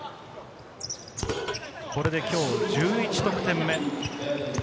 これで今日１１得点目。